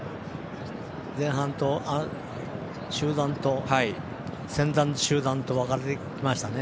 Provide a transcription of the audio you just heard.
前半と先団の中団と分かれてきましたね。